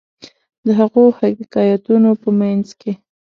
د هغو حکایتونو په منځ کې.